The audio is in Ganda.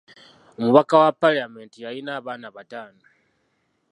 Omubaka wa palamenti yalina abaana bataano.